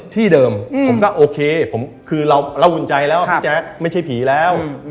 ที่เดิมผมก็โอเคคือเราเล่าอุ่นใจแล้วพี่แจ๊คไม่ใช่ผีแล้ว